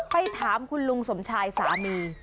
ไปถามคุณลุงสมชายสามี